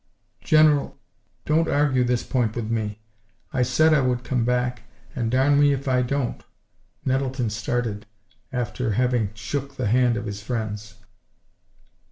"General, don't argue this point with me. I said I would come back, and darn me if I don't!" Nettleton started, after having shook the hand of his friends.